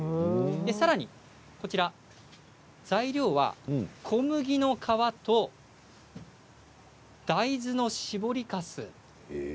さらに材料は、小麦の皮と大豆の絞りかす。